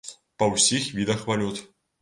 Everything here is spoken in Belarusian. Па ўсіх відах валют.